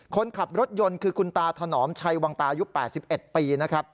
คนขับรถยนต์คือคุณตาถนอมชัยวังตายุ๘๑ปีนะครับ